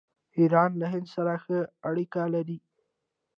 ایران له هند سره ښه اړیکې لري.